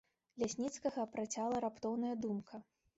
Лясніцкага працяла раптоўная думка.